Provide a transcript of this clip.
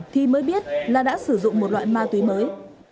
thì mới biết là đã sử dụng một loại ma túy mới